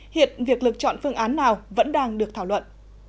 hiện việc lựa chọn phương án nào vẫn đang được thảo luận